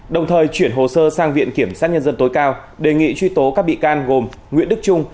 đồng thời chuyển hồ sơ sang viện kiểm sát nhân dân tối cao đề nghị truy tố các bị can gồm nguyễn đức trung